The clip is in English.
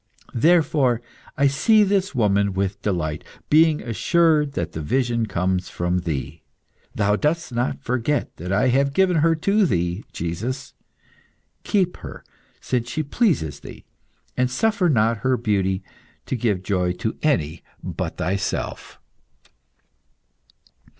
Therefore I see this woman with delight, being assured that the vision comes from Thee. Thou dost not forget that I have given her to Thee, Jesus. Keep her, since she pleases Thee, and suffer not her beauty to give joy to any but Thyself."